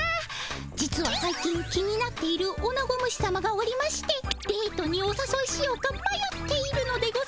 実は最近気になっているオナゴ虫さまがおりましてデートにおさそいしようかまよっているのでございます。